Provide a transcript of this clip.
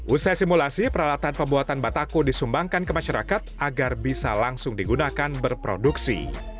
usai simulasi peralatan pembuatan bataku disumbangkan ke masyarakat agar bisa langsung digunakan berproduksi